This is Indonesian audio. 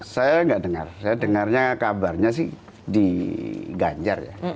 saya nggak dengar saya dengarnya kabarnya sih di ganjar ya